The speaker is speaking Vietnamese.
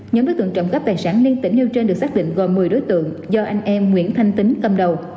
những đối tượng trộm khắp tài sản liên tỉnh âu trần được xác định gồm một mươi đối tượng do anh em nguyễn thanh tính cầm đầu